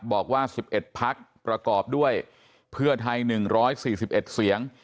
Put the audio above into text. บอกว่า๑๑พักประกอบด้วยเพื่อไทย๑๔๑เสียง